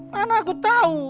mana aku tahu